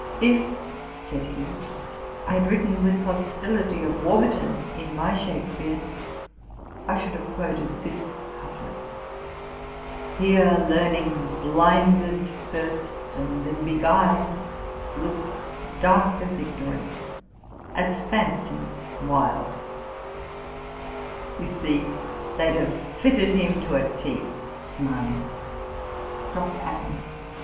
'If (said he) I had written with hostility of Warburton in my Shakspeare, I should have quoted this couplet: "Here Learning, blinded first and then beguil'd, Looks dark as Ignorance, as Fancy wild." You see they'd have fitted him to a T,' (smiling.) DR. ADAMS.